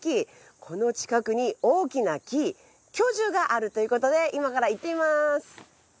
この近くに大きな木巨樹があるという事で今から行ってみます。